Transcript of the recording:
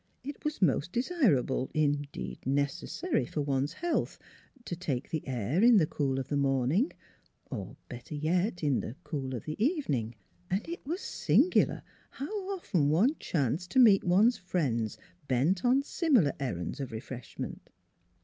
It was most desirable indeed necessary for one's health to take the air in the cool of the morning, or better yet in the cool of the evening; and it was singular how often one chanced to meet one's friends bent on similar errands of refreshment.